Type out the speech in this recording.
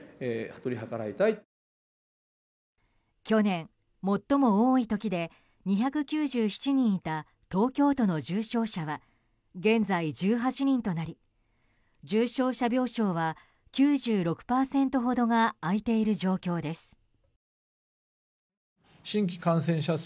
去年、最も多い時で２９７人いた東京都の重症者は現在１８人となり重症者病床は９６％ほどが空いている状況です。